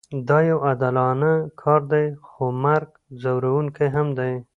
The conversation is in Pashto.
دا یو عادلانه کار دی خو مرګ ځورونکی هم دی